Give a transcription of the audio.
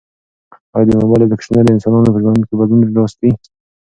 ایا د موبایل اپلیکیشنونه د انسانانو په ژوند کې بدلون راوستی؟